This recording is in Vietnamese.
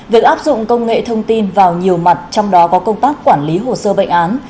việc áp dụng công nghệ thông tin vào nhiều mặt trong đó có công tác quản lý hồ sơ bệnh án